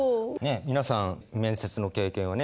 皆さん面接の経験はね